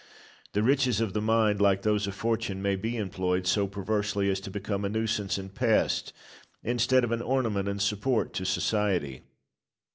The riches of the mind, like those of Fortune, may be employed so perversely as to become a nuisance and pest instead of an ornament and support to society.